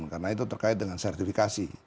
karena itu terkait dengan sertifikasi